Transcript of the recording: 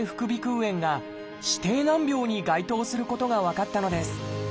炎が指定難病に該当することが分かったのです。